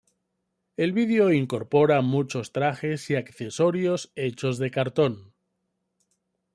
El vídeo incorpora muchos trajes y accesorios hechos de cartón.